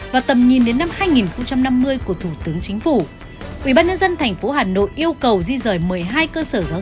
và tầm nhìn đến năm hai nghìn năm mươi của thủ tướng